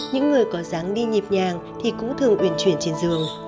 những người có dáng đi nhịp nhàng thì cũng thường uyển chuyển trên giường